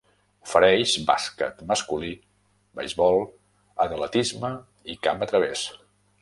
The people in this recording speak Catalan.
Ofereix bàsquet masculí, beisbol, atletisme i camp a través.